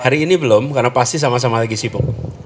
hari ini belum karena pasti sama sama lagi sibuk